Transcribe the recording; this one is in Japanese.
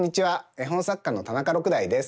絵本作家の田中六大です。